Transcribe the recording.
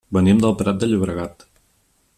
Venim del Prat de Llobregat.